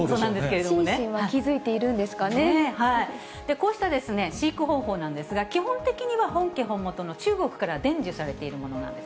シンシンは気付いているんでこうした飼育方法なんですが、基本的には本家本元の中国から伝授されているものなんです。